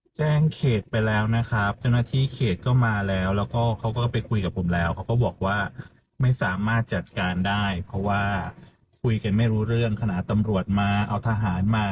โอ้โหคุณผู้ชมฮะเห็นมั้ยฮะอะไรมันล้ำเยอะแยะไปหมด